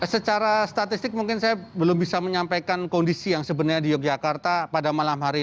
secara statistik mungkin saya belum bisa menyampaikan kondisi yang sebenarnya di yogyakarta pada malam hari